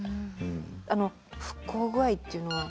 あの復興具合というのは。